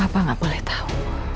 papa nggak boleh tahu